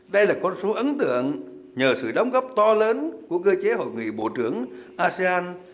đây là con số ấn tượng nhờ sự đóng góp to lớn của cơ chế hội nghị bộ trưởng asean